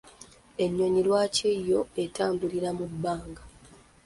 Ennyonyi lwaki yo etambulira mu bbanga?